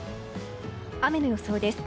雨の予想です。